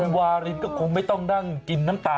อ๋อคุณวารินก็คงไม่ต้องนั่งกินน้ำตาแล้วล่ะ